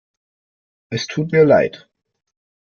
Es tut mir leid.